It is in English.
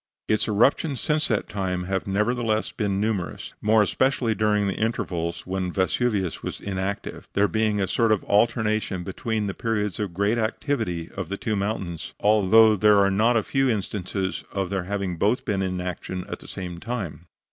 Its eruptions since that time have nevertheless been numerous more especially during the intervals when Vesuvius was inactive there being a sort of alternation between the periods of great activity of the two mountains; although there are not a few instances of their having been both in action at the same time.